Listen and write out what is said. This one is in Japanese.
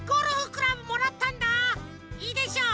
いいでしょう？